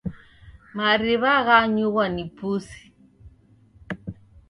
Mariw'a ghanyughwa ni pusi.